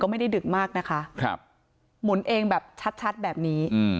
ไม่ได้ดึกมากนะคะครับหมุนเองแบบชัดแบบนี้